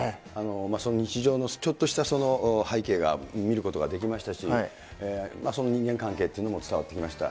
日常のちょっとした背景が見ることができましたし、その人間関係というのも伝わってきました。